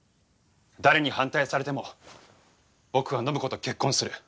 誰に反対されても僕は暢子と結婚する。